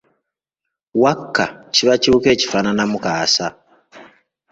Wakka kiba kiwuka ekifaananamu kaasa.